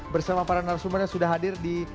bersama para narasumber yang sudah hadir di